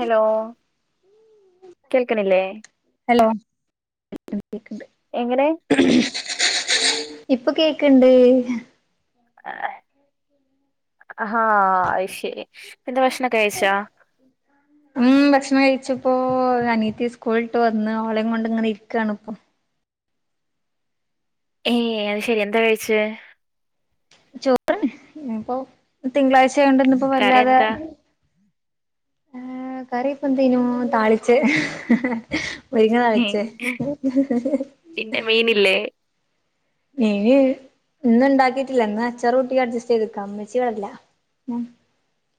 Hello, കേൾക്കണില്ലേ? Hello കേക്ക്ണ്ട്. എങ്ങനെ ഇപ്പൊ കേക്ക്ണ്ട്. ഹാ അയ്ശെരി. പിന്ത ഭക്ഷണൊക്കെ കഴിച്ചോ? ച്ചപ്പോ അനീത്തി സ്കൂളിട്ട് വന്ന്, ഓളെം കൊണ്ട് ഇങ്ങനെ ഇരിക്കാണ് ഇപ്പൊ. ഏ അത് ശരി എന്താ കഴിച്ചേ? ചോറാന് ഇപ്പോ തിങ്കളാഴ്ച ആയോണ്ട് ഇന്ന്പ്പോ കറി വല്ലാതെ എന്താ എ കറിപ്പന്തേനും, താളിച്ചേ. [unintelligible] മുരിങ്ങ ഉം, താളിച്ചേ [unintelligible] പിന്നെ മീനില്ലേ മീന് ഇന്ന്ണ്ടാക്കിട്ടില്ല ഇന്ന് അച്ചാറൂട്ടി അഡ്ജസ്റ്റ് ചെയ്ത്ക്ക മ്മച്ചി ഇവടല്ല.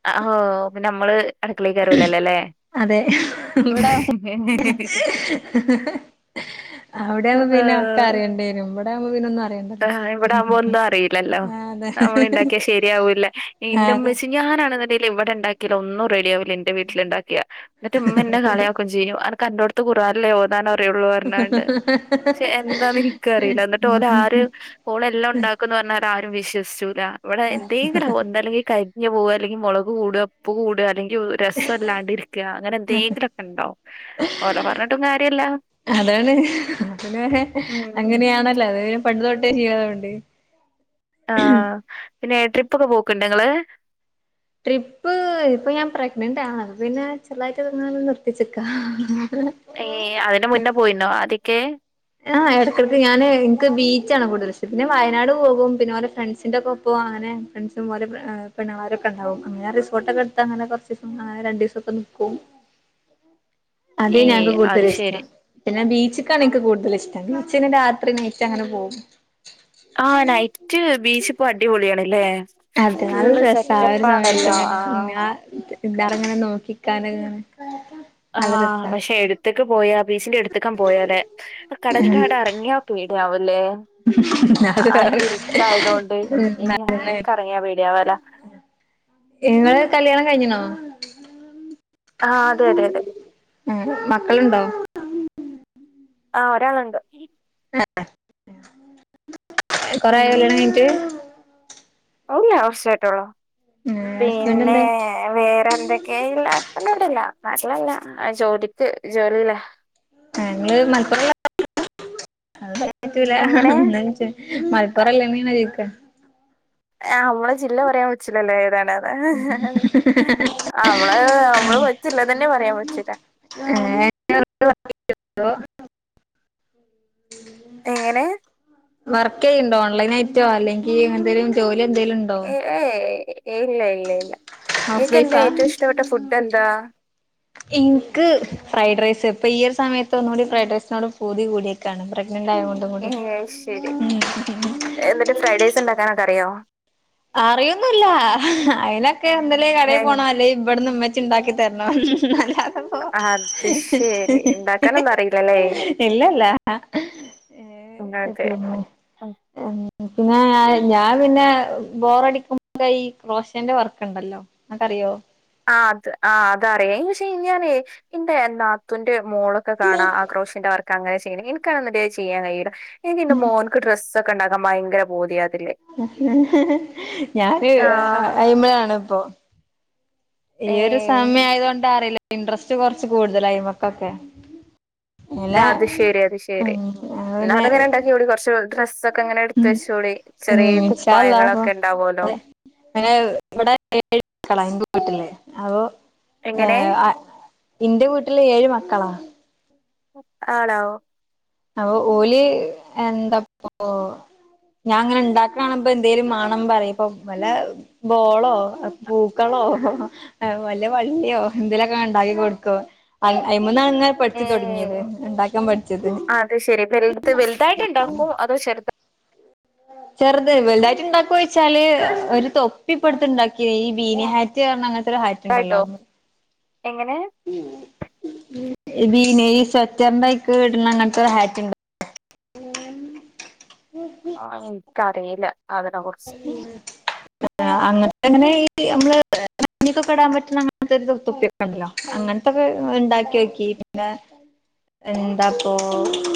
അ ഹോ, പിന്ന അമ്മള് അടുക്കളേ കേറൂലല്ലോലേ. അതെ ഇവിടെ അവിടെയാവ്മ്പം പിന്നെ ഒക്ക അറിയണ്ടീനു ഇവിടെയാവുമ്പോ പിന്നൊന്നും ആ ഇവിടെ ആവുമ്പോ ഒന്നും അറിയില്ലല്ലോ. ആഹ് അതെ അമ്മള് ഇണ്ടാക്കിയാ ശരിയാവൂല്ല, ആഹ് ന്റെ അതെ മ്മച്ചി ഞാനാണ്ന്നിണ്ടേ ഇവിടെ ഇണ്ടാക്കില് ഒന്നും റെഡിയാവൂല ഇന്റെ വീട്ടില്ണ്ടാക്കിയാ, ന്നിട്ട് മ്മന്നെ കളിയാക്കും ചെയ്യും അനക്ക് അന്റെോട് ഖുറാനല്ലേ ഓതാൻ അറിയുള്ളൂ പറഞ്ഞാണ്ട്, ശെ എന്താന്ന് ഇൻക്കൂ അറീല്ല ന്നിട്ട് ഓല് ആരു ഓള് എല്ലം ഇണ്ടാക്കുന്ന് പറഞ്ഞാലാരും വിശ്വസിച്ചൂല, ഇവിടെ എന്തെങ്കിലു ആവൂ ഒന്നല്ലെങ്കീ കരിഞ്ഞു പോവാ ല്ലെങ്കി മൊളക് കൂടാ ഉപ്പ് കൂടാ അല്ലെങ്കി രസം ഇല്ലാണ്ടിരിക്ക അങ്ങനെ എന്തേങ്കിലൊക്കെണ്ടാവും, ഓലെ പറന്നിട്ടും കാര്യല്ല്യ അതാണ് [unintelligible] ഉം അങ്ങനെയാണല്ലോ അത് പണ്ട് തൊ [unintelligible] ആ പിന്നെ ട്രിപ്പൊക്കെ പോക്ക്ണ്ടാ ങ്ങള്? ട്രിപ്പ്.. ഇപ്പൊ ഞാൻ പ്രഗ്നന്റാണ് അപ്പ പിന്നെ ചെർതായിട്ട് ന്ന് നിർത്തിച്ചിക്കാ ഏ, അതിന് മുന്നേ പോയിന്നോ ആതിക്കെ ആ എടക്കെടക്ക് ഞാന് ഇൻക്ക് ബീച്ചാണ് കൂടുതലിഷ്ടം പിന്നെ വയനാട് പോകും പിന്നെ ഓലെ ഫ്രണ്ട്സിൻന്റെക്കൊപ്പം അങ്ങ ഫ്രണ്ട്സും ഓലെ പെണ്ണ്ങ്ങളാരൊക്കെ ഇണ്ടാവും, അങ്ങനെ റിസോർട്ടൊക്കെ എടുത്ത് അങ്ങനെ കൊറച്ചീസം രണ്ടീസൊക്കെ നിക്കു അതെ ഏ ഞങ്ങക്ക് അത് കൂടുതലിഷ്ടോ ശരി പിന്നെ ബീച്ച്ക്കാണ് ഇൻക്ക് തല് ഇഷ്ടം ബീച്ച്നല് രാത്രി നെെറ്റങ്ങനെ പോവും. ആ, നൈറ്റ് ബീച്ച്പ്പോ അടിപൊള്യാണ്. ല്ലെ, അതെ നല്ല ഫുള്ള് രസാ സെറ്റപ്പാണല്ലോ ആ എല്ലരെങ്ങനെ നോക്കിക്കാന് ആ പക്ഷെ എടുത്ത്ക്ക് പോയാ ബീച്ചിന്റെ എടുത്ത്ക്കാൻ പോയാലെ, ആ കടൽക്കങ്ങട് എറങ്ങിയാ പേടിയാവൂലേ അത് ആ വേറെ ഇര്ട്ടായതോണ്ട് ഇഞ് ഇൻക്ക്റങ്ങിയാ പേടിയാവല. ഇങ്ങള് കല്യാണം കഴിഞ്ഞിണോ? ആഹ് അതെ അതെ അതെ ഉം മക്കള്ണ്ടോ? ആഹ ഒരാളുണ്ട് കൊറേ ഉം ആയോ കല്യാണം കഴിഞ്ഞിട്ട് ഇല്ല കൊറച്ചായിട്ടൊള്ളൂ ഏഹ് ഹസ്ബൻഡ് പിന്നെ എന്തേ വേറെ എന്തൊക്കെയാ ഇല്ല ഇവിടെല്ലനാട്ടിലല്ല ജോലിക്ക് ജോലിയിലാ ആ മലപ്പുറ [unintelligible] പറ്റൂല എങ്ങനെ ന്നാലും മലപ്പുറല്ലേ ന്ന് ചോയ്ച്ച ആ നമ്മളെ ജില്ല പറയാൻ പറ്റൂല്ല ലെ ഏതാ അവമ്മള് നമ്മള് [unintelligible] പറയാൻ പച്ചില്ല ഉ [unintelligible] ലോ എങ്ങനെ വർക്ക് ചെയ്യണ്ടോ ഓൺലൈന ആയിട്ടോ അല്ലെങ്കിൽ എന്തെലും ജോലി എന്തേലും ഉണ്ടോ ഏ ഏയ് ഏ ഇല്ല ഇല്ല ഇല്ല ഹൗസ് നിനക്കെന്താ വൈഫാ ഏറ്റവും ഇഷ്ടപ്പെട്ട ഫുഡ് എന്താ എനിക്ക് ഫ്രൈഡ് റൈസ് ഇപ്പൊ ഈയ ഒരു സമയത്ത ഒന്നുകൂടി ഫ്രൈഡ് റൈസിനോട് പൂതി കൂടിയൊക്കാണ് പ്രേഗ് നൻ്റായോണ്ട് ഏ കൂടി ശരി വെക്കനൊക്കെ അറിയോ അറിയൊന്നുല്ല അയിനൊക്കെ എന്തല ഏ കടയിൽ പോണം അല്ലേ ഇവിടന്ന്മ്മ ചിണ്ടാക്കി തരണം അല്ലാതെപ്പോ [unintelligible] ശരി ഉണ്ടാക്കാനൊന്നും അറിയില്ലല്ലേ ഇല്ലല്ല അതെ പിന്നെ ഉം. പിന്നെ ഞാൻ പിന്നെ ബോറടിക്കുമ്പോ കൈ ക്രോഷന്റെ വർക്ക്ണ്ടല്ലോ നക്കറിയോ ആ് അത് ആ അതറിയാം പക്ഷെ ഞാനേ എന്റെ നാത്തുൻന്റെ മോളൊക്കെ കാണാം ആക്രോഷിന്റെ വർ അങ്ങനെ ചെയ്യണ്എനിക്കാണ ചെയ്യൻ കിയില്ല എ എന്റെ മോൻക്ക് ഡ്രസ്സ് ഒക്കെണ്ടാക്കാൻ ഭയങ്കര പൂതിയ ഞാന് ആ അയി്മലണ് ഇപ്പൊ ഈ ഏ ഒരു സമയം ആയത കൊണ്ട് അറിയില്ല ഇൻട്രസ്റ്റ് കൊറച്ച് കൂടുതലായി്മക്കൊക്കെ അല്ല അത് ശരി അത് ഉ ശരി അപിന്നെ എങ്ങനെ എടുത്ത വെച്ചോളി ചെറിയ കുപ്പായങ്ങളൊക്കെ ഉണ്ടാവല്ലോ അ ഇവിടെ ഏഴ മക്കള എൻ്റെവീട്ടില് അപ്പോ ഏ എങ്ങനെ എന്റെ വീട്ടിൽ ഏഴ് മക്കളാ ആണോ അപ്പൊ ഓലി എന്താപ്പോ ഞാൻ അങ്ങനെ ഉണ്ടാക്കണ്പൊ എന്തെേലും മാണം പറിമ്പോ വല്ല ബോളോ പൂക്കളോ ഓ വ ല്ലാവള്ളിയോ എന്തലൊക്കെ ഉണ്ടാക്കി കൊടുക്കും ന്നാണ് ഇങ്ങനെ പഠിച്ചു തുടങ്ങിയത് ഉണ്ടാക്കാൻ പഠിച്ചത് അ ശെരി പ റീത്ത് വലുതായിട്ട് ഇണ്ടാക്കും അതോ ചെറുതായ് ചെറുത വലുതായിട്ട് ഉണ്ടാക്കോെച്ചാല് ഒരു തൊപ്പി ഇപ്പടുത്ത ഉണ്ടാക്കി ഈ ബീനിഹാറ്റ് റിഞ്ഞ അങ്ങനത്തെ ഇ ഹൈറ്റ് ഉണ്ടല്ലോ ചെറുതായിട്ടോ അന്ന് എങ്ങനെ [unintelligible] [unintelligible] ആ ഇൻക്കറീല്ല അതിനെ കുറിച്ച് എങ്ങനെ ഈ നമ്മള് [unintelligible] ക്കിടാൻ പറ്റുന്ന അങ്ങൻതൊക്കൊരു തൊപ്പിക്കെണ്ടല്ലോ അങ്ങനത്തൊക്കെണ്ടാക്ക്യോക്കി പിന്നെ എന്താപ്പൊ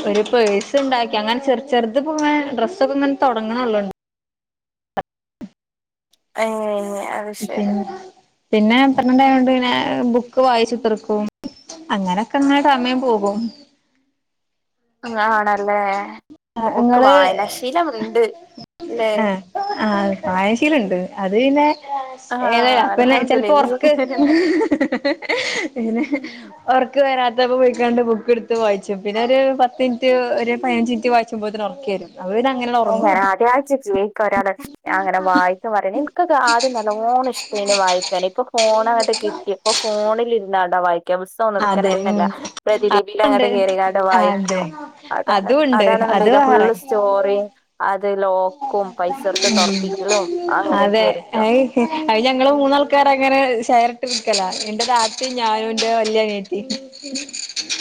ഒരു പേഴ് തു ഉണ്ടാക്കി അങ്ങനെ ചെറ ചെറ്ത് പ്പൊ ങ്ങനെ ഡ്രസ്സൊക്ക്ങ്ങനെ തൊടങ്ണൊള്ളു ഏഹ് അത് ശരി പിറ്റേന്ന് പിന്നെ പ്ര [unintelligible] ന്റ് ആയോണ്ട് പിന്നെ ബുക്ക് വായിച്ച് തീർക്കും അങ്ങനൊക്കെ ങ്ങനെ ടമയം പോകും നമുക്ക് വായനാശീലം ഇണ്ട് ഏ ആ വായനശീലണ്ട് അത് പിന്നെ ആഹ് ഏതാ അപ്പന്നെ ചെൽപ്പോ അൽഹംദുലില്ലാഹ് ഒർക്ക് ഉം വരാതെ ണ്ടാവുമ്പോ പോയിക്കാണ്ട് ബുക്ക് ട്ത്ത് വായിച്ചും പിന്നൊര് പത്തിൻറ്റ് ഒര് പയിനഞ്ചി ൻറ്റ് വായിച്ചുമ്പോഴത്ത്ന് ഒർക്കെരും അഹും ഞാൻ ആദ്യായിറ്റ് [unintelligible] ക്കാ ഒരാളെ അങ്ങനെ വായിക്ക പറണേ ഇൻ കൊക്കെആദ്യം നല്ലോണം ഇഷ്ടേ നി വായിക്കാന് ഇപ്പൊ ഫോണങ്ങട്ട് കിട്ടി പ്പോ ഫോണിലിരുന്നാട്ടാ വായി ക്കെ പുസ്തംകന്നും അതെ ഇട്ക്കലന്നെല്ല ഉം പ്രതിലിപിയിൽ അങ്ങട്ട് അതുണ്ട് കേറികാണ്ട് അതെ വായിക്കും അതാണ് അതുണ്ട് അതാണ് അത് വേറെ വന്നീല്ലഫുള്ള് സ്റ്റോറിം തൊറപ്പിക്കലും അങ്ങനെയൊക്കെ അതെ അ ആയിരിക്കും ഹ് ഞങ്ങള് മൂന്നാ ആൾക്കാര ങ്ങനെ ഷെയറ്ട്ട് ട്ക്കലാ എന്റെ താത്തിം ഞാനും ന്റെ വല്യനിയത്തിം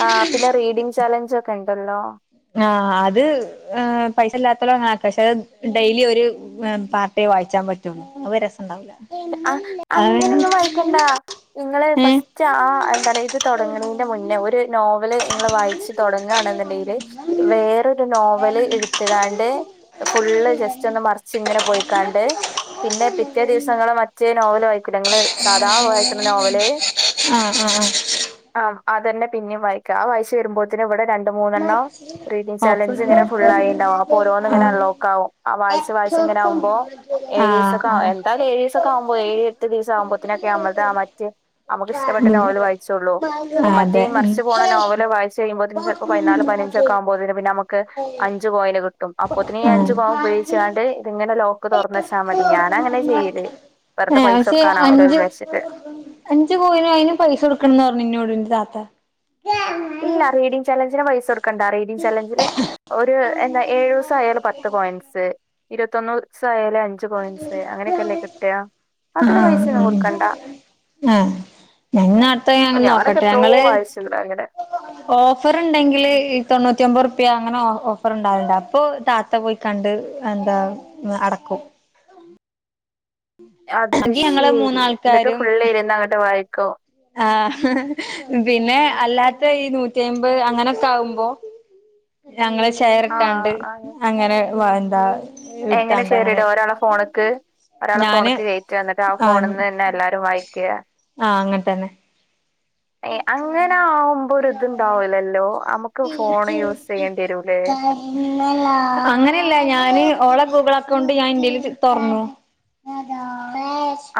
ആ പിന്നെ റീഡിങ് ചാലഞ്ച് ഒക്കെ ഇണ്ടല്ലോ ആ അത് പൈസ ഇല്ലാത്തൊല് അങ്ങനെ ട്ടാ പക്ഷെ അഹ് ഡെയ്ലി ഒര് പാർട്ടേ വായിച്ചാൻ പറ്റും അഹ് ഒര്‌ രസം ഉണ്ടാവൂല അത് അങ്ങനെന്നും വായിക്കണ്ട നിങ്ങള് ഏഹ് ഫസ്റ്റ് ആ എന്താ ഇത് തുടങ്ങ്ണെന്റെ മുന്നേ ഒരു നോവല് നിങ്ങൾ വായിച്ച് തുടങ്ങാണ് ന്ന്ണ്ടെങ്കില് വേറൊരു നോവല് ഇട്ത്ത്ക്കാണ്ട് ഫുള്ള് ജസ്റ്റ് ഒന്ന് മറിച്ച്ങ്ങനെ പോയി കാ ണ്ട് പിന്നെ പിറ്റേ ദിവസ പ്പം ഇങ്ങള് മറ്റേ നോവല് വായിക്കൂലേ ഇങ്ങള് സാദാ വായിക്കുന്ന നോവല് ആഹ് ആഹ് ആഹ് ആ അതന്നെ പിന്നിം വായിക്ക ആ വായിച്ച് വരുമ്പോത്ത്ന് ഇവിടെ രണ്ട്മൂന്നെണ്ണം റീഡിങ് ഓപ്പൺ ചാലഞ്ച് ഇങ്ങനെ ഫുൾ ആയിണ്ടാവും അപ്പൊ ഓരോന്ന് ആഹ് ഇങ്ങനെ ആഹ് അൺലോക്ക് ആവും ആ വായിച്ചാ വാ സംങ്ങനെ ആവുമ്പോ ഏയിസെക്കെ ആഹ് ട്ടാല് ഏഴീ സൊക്കെ ആവുമ്പോ ഏഴ്എട്ട് ദിവസ ആവുമ്പോത്തിനൊക്കെ നമ്മൾ ത് ആ മറ്റേ നമുക്ക് ഇഷ്ടപ്പെട്ട നോവല് വായിച്ചെള്ളൂ അപ്പം മറ്റേ അതെ ഉം മറിച്ച് പോണ നോവല് വായിച്ച് കയ്യുമ്പോ ചിലപ്പോ പതിനാല് പതിനഞ്ചൊ ക്കെ ആവുമ്പോെ ത്തിന് പിന്നെ ഞമ്മക്ക് അഞ്ച് പോയിന്റ് ക അപ്പൊത്തിന് ഈ ആഹ് അഞ്ചു കോ ഉയോഗിച്ചാണ്ട് ഇത് ങ്ങനെ ലോക്ക് തുറന്നച്ചാ മതി ഞാനങ്ങനെ ചെയ്യല് വെറുതെ ഏഹ് പൈസ പക്ഷെ കൊടുക്കാനാവുലാ അഞ്ച് വിചാരിച്ചിട്ട് അഞ്ച് കോയിന് അയിന് പൈസ കൊടുക്കണന്ന് പറഞ്ഞ് ഇന്നോട് ഇന്റെ താത്ത ഇല്ല റീഡി ചലഞ്ച്ന് പൈസ കൊട്ക്കണ്ടാ റീഡിംഗ് ചലഞ്ചില് ഒര് എന്താ ഏഴൂസം ആയാല് പത്ത് കേയൻസ് ഇരുത്തൊന്ന് സം ആയാലായി ഞ്ച് കോയിൻസ് അങ്ങനെക്കെല്ലേ കിട്ടാ അതിന് പൈസ ആഹ് ഒനും കൊടുക്കണ്ട ഇന്ന് അട്ത്തെ ഞാനെന്ന് ഞാനൊക്കെ നോക്കട്ടെ എത്രയോ ഞങ്ങള് വായിച്ചിട്ടുണ്ട് അങ്ങനെ ഓഫർ ണ്ടെങ്കില് ഈ തൊണ്ണൂറ്റി ഒമ്പർ പ്യ അങ്ങനെ ഓഫർ ഇണ്ടാവൽണ്ട് അപ്പൊ താത്ത പോയി കണ്ട് എന്താ അടക്കും അത് എങ്കി ഞങ്ങള് ശരി ന്നട്ട് മൂന്നാൾക്കാരും ഫുള് ഇരുന്ന് ങ്ങട്ട് വായിക്കും ആ പിന്നെ അല്ലാത്ത ഈ നൂറ്റി അയ്മ്പ് അങ്ങനൊക്കെ ആവുമ്പോ [inaudible] ഞങ്ങള് ഷെയറ് ആ ട്ടാണ്ട് ആ. അങ്ങനെ വാ എന്താ എങ്ങനെ ഇട്ടാണ്ട് അങ്ങനെ ഷെയറിടും ഒരാളെ ഫോണ്ക്ക് ഒരാളെ ഞാന് ഫോണ്ക്ക് കേറ്റാ ഇന്നട്ട് ആ ഫോണ്ന്ന് തന്നെ എല്ലാരും വായിക്കാ ആ അങ്ങട്ടെ ന്നെ [inaudible] ഏ അങ്ങനെ ആവുമ്പോ ഒര് ത്ണ്ടാവൂലല്ലോ നമുക്ക് ഫോൺ യൂസ് ചെയ്യണ്ടിരൂല്ലേ അങ്ങനെല്ല ഞാന് ഓള ഗൂഗിൾ അക്കൗണ്ട് ഞാൻ ഇന്റെല് തൊർന്നു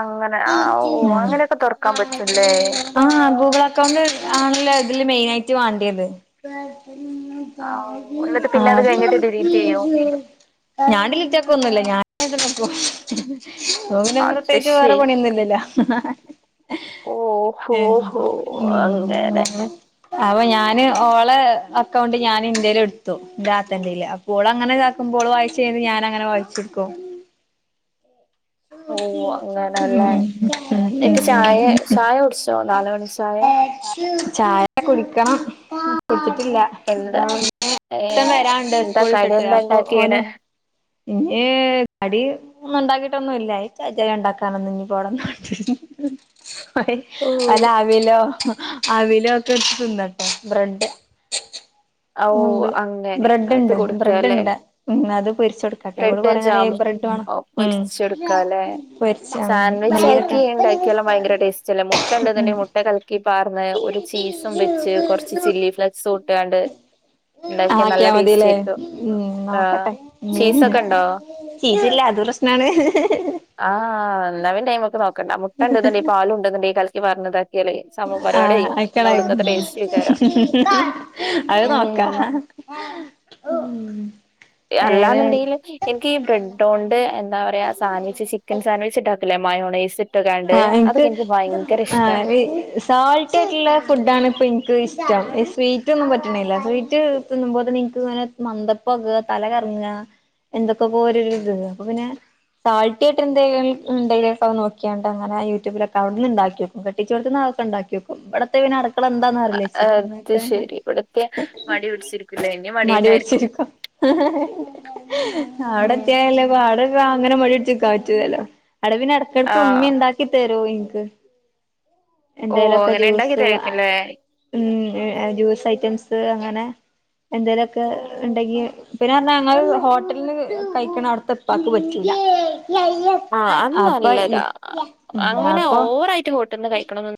അങ്ങനെ ആ ഓ അങ്ങനെയൊക്കെ തുറക്കാൻ പറ്റുംല്ലേ ആ ആ ഗൂഗിൾ അക്കൗണ്ട് ആണല്ലോ ഇതില് മെയിനായിട്ട് വാണ്ടിയത് ആ ഓ എന്നിട്ട് ആ പിന്നെ അത് കഴിഞ്ഞിട്ട് ഡിലീറ്റ് ചെയ്യും ഞാൻ ഡിലീറ്റാക്കൊന്നുല്ല [unintelligible] [unintelligible] അത് പ്രത്യേകിച്ച് വേറെ പണിയൊന്നുല്ലല്ലോ ഓഹോഹോ ഉം [unintelligible] അപ്പൊ ഞാന് ഓളെ അക്കൗണ്ട് ഞാൻ ഇന്റെല് ഇട്ത്തു ന്റാത്തന്റെല് അപ്പൊ ഓളങ്ങനെ [unintelligible] വായിച്ചയ്യുമ്പോ ഞാനങ്ങനെ വായിച്ച്ട്ക്കും ഓ അങ്ങന ഉം ല്ലേ ഉം [unintelligible] ഉം ഉം ചായെ ചായുടിച്ചോ നാല് മണി ചായ ചായ കുടിക്കണം എന്താ ഏ ല്ല [unintelligible] വരാന്ണ്ട് എന്താ സ്കൂള് ട്ട് കടി ട്ട് എന്താ അപ്പൊ ഉണ്ടാക്കീണ് ഓനും ഏ കടി ഒന്നും ഇണ്ടാ ട്ടൊന്നുല്ല ഇച്ച് വെജ ഞ് ണ്ടാക്കാനൊന്നും ഇവടെ വെന്നാണ്ട് ഓ വെല്ല അവിലോ അവിലൊക്ക്ട്ത്ത് തിന്നട്ടെ ബ്രഡ് ഓ അങ്ങനെ അത് ബ്രെഡ്ണ്ട് കൊടുക്കല്ലേ ബ്രെഡ്ണ്ട് ഉം അത് പൊരിച്ചു കൊടുക്കട്ടെടെ ഓള് കൊറേ നേരായി ബ്രെ ഓക്ക് പൊരിച്ചൊടുക്കാല്ലേ പൊരിച്ച സാൻ വിച്ചാക്കി മല്ലിയിലൊക്കെ ണ്ടാക്ക്യാലും ഭയങ്കര ടേസ്റ്റല്ലേ മുട്ടണ്ട്ന്ന് ഉം ണ്ടെങ്കി മുട്ട കലക്കി പാർന്ന് പീസും വെച്ച് കൊറച്ച് ചില്ലി ഫ്ലെക്സ്ട്ടാണ്ട് ആക്കിയാ മതില്ലേ ഉം ആഹ് നോക്കട്ടെ ചീസൊക്കെ ഇണ്ടോ? [unintelligible] അത് പ്രശ്നാണ് ആ ന്ന പിന്നെ അയ്മക്ക് നോക്കണ്ട മുട്ട ണ്ട്ന്ന്ണ്ടെങ്കി പാലുണ്ട്ന്ന്ണ്ടെങ്കി കലക്കി പാർന്ന് താ ആ ടേസ്റ്റ് എയ്ക്കാരം [unintelligible] അത് നോക്കാ ഉം ഏതായാലും അല്ലാന്നുണ്ടെങ്കില് ഇൻക്കീ ബ്രെഡോണ്ട് എന്താ പറയാ സാൻവിച്ച് ചിക്കൻ സാൻവിച്ച്ണ്ടാക്കൂ ലേ മയനോയ്സ് ആ ഇൻക്ക് ആ സാൾട്ടൊക്ക്ള്ളെ ഫുഡാണ് ഇപ്പ ഇൻക്കും ഇഷ് ടം സ്വീറ്റൊന്നും പറ്റണില്ല സ്വീറ്റ് തിന്നുമ്പോത്തിന് ൻക്ക്ങ്ങനെ മന്ദപ്പാക തല കറങ്ങ എന്തൊക്കൊക്കോരിരിത് അപ്പൊ പിന്നെ സാൾട്ടി ആയിട്ടെന്തെലും ണ്ടെങ്കി അത് നോ ക്ക്യാണ്ടങ്ങനെ യൂട്യൂബിലൊക്കെ അവ്ട്ന്ന് ണ്ടാക്ക്യോക്കും കെട്ടിച്ചോട്ത്ത്ന്നതൊക്കെണ്ടാക്ക്യോക്കും ഇവിടെത്യാ പിന്നെ അട് ക്കള എന്താന്നറിയില്ല ച്ച് അത് അ ശെരി ഇവിടത്തെ മടി പിടിച്ചിരിക്കൂലേ ഇനി മടി തന്നെ ആയിരിക്കും പിടിച്ചിരിക്കും അവിടെത്യാലല്ലേ പാട് [unintelligible] അങ്ങനെ മടി പിടിച്ച് നിക്കാൻ പറ്റൂലല്ലോ അവടെ പിന്നെ എടക്കെടക്ക് ആഹ് ഇമ്മേം ണ്ടാക്കി തരും ഇൻക്ക് ഓ എന്തേലൊക്കെ അങ്ങനെ ജ്യൂസ് ഉണ്ടാക്കിതായിരിക്കുംല്ലേ ഉം ജ്യൂസ് ഐറ്റംസ് ട്ട് അങ്ങനെ എന്തേലൊക്കെണ്ടെങ്കി പിന്നെ റഞ്ഞാ ഞങ്ങള് ഹോട്ടല്ന്ന് കയ്ക്ക്ണെ അവ്ട്ത്തെ പ്പാക്ക് പറ്റൂല ആഹ് അത് അപ്പ ഇ നല്ലതാ ഉം അങ്ങനെ അപ്പൊ ഓവറായിട്ട് ഹോട്ടൽന്ന് കഴിക്കണംന്ന്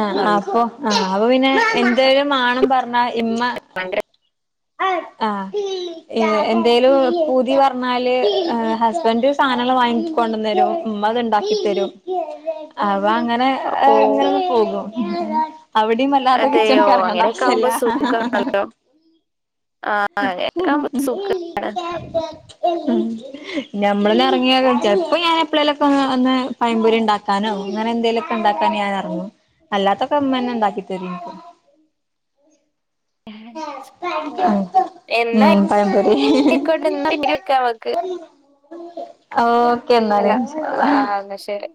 ആ നല്ല അപ്പൊ ആ അപ്പൊ പിന്നെ എന്തേലും മാണംമ്പറഞ്ഞാ ഇമ്മ ഭയങ്കര ആ എന്തേലും പുതി പറഞ്ഞാല് ഹസ്ബൻഡ് സാധനങ്ങങ്ങള് വാങ്ങി കൊണ്ടെന്നെരും മ്മത് ഉണ്ടാക്കി തരും അ മ് അപ്പ അങ്ങനെ ഓ ഇങ്ങന പോകും അവിടെയും അല്ലാത്ത കിച്ചണക്ക് ഇറങ്ങേണ്ട ആവശ്യല്ല [unintelligible] ഖണല്ലോ [unintelligible] സുഖാണ് ഞമ്മളെന്നെ ഇറങ്ങിയ ചെലപ്പം ഞാൻ എപ്പഴെലൊക്കെ ന്ന് വന്ന് പയംപൊരി ഉണ്ടാക്കാനോ അങ്ങനെ എന്തെങ്കലുമൊക്കെ ഉണ്ടാക്കാൻ ഞാൻഅറങ്ങും അല്ലാത്തൊക്കെ ഇമ്മന്നെ ഇണ്ടാക്കി തരും ഇൻക് [unintelligible] പ്പോ ഉം പഴംപൊരി എന്നായിക്കോട്ടന്ന പിന്നെ വിളിക്കാ നമുക്ക് ഓക്കേ എന്നാൽ ഇൻഷാ അള്ളാ അ ന്നാ ശരി